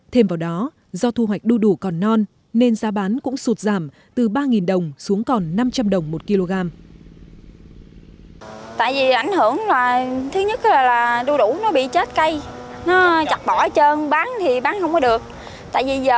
thêm vào đó do thu hoạch đu đủ còn non nên giá bán cũng sụt giảm từ ba đồng xuống cộng